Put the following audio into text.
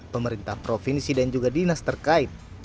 pemerintah provinsi dan juga dinas terkait